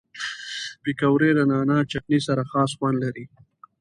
پکورې له نعناع چټني سره خاص خوند لري